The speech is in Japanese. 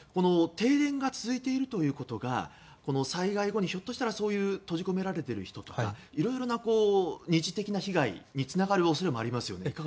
停電が続いているということが災害後にひょっとしたら閉じ込められたりしている人とかいろいろな二次的な被害につながる恐れもありますよね。